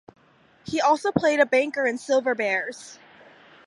He also played a banker in "Silver Bears".